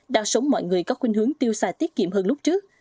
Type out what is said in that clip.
đa số mọi người có khuyến hướng tiêu xài tiết kiệm hơn lúc trước